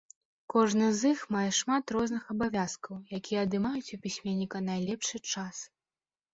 Кожны з іх мае шмат розных абавязкаў, якія адымаюць у пісьменніка найлепшы час.